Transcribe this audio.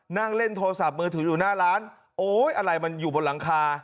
นั่งเล่นโทรศัพท์มือถืออยู่หน้าร้านโอ๊ยอะไรมันอยู่บนหลังคา